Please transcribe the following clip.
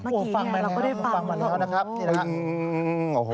โอ้โฮฟังไหมนะครับฟังเหมือนเขานะครับนี่นะครับโอ้โฮโอ้โฮ